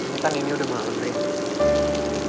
mita gini udah malem rin